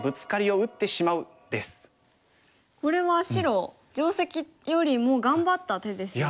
これは白定石よりも頑張った手ですよね。